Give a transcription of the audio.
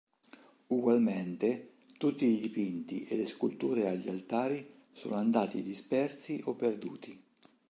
Ugualmente, tutti i dipinti e le sculture agli altari sono andati dispersi o perduti.